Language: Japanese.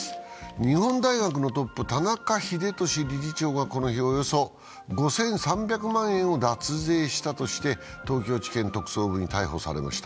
日本大学のトップ、田中英寿理事長がこの日、およそ５３００万円を脱税したとして東京地検特捜部に逮捕されました。